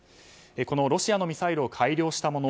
このロシアのミサイルを改良したもの